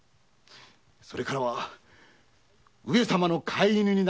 それからは上様の飼い犬に成り果てている。